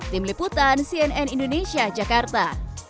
tim liputan cnn indonesia jakarta